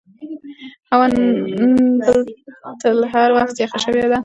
هوا نن تر بل هر وخت ډېره یخه شوې ده.